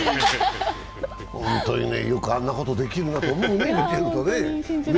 本当にね、よくあんなことできるなと思うね、見てると。